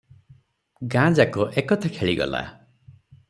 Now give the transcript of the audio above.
ଗାଁ ଯାକ ଏ କଥା ଖେଳିଗଲା ।